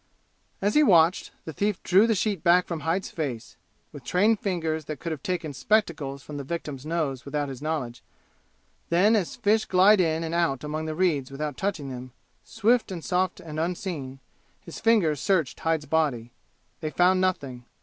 As he watched, the thief drew the sheet back from Hyde's face, with trained fingers that could have taken spectacles from the victims' nose without his knowledge. Then as fish glide in and out among the reeds without touching them, swift and soft and unseen, his fingers searched Hyde's body. They found nothing.